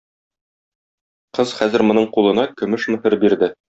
Кыз хәзер моның кулына көмеш мөһер бирде.